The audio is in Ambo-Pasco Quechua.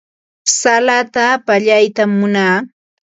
Salata pallaytam munaa.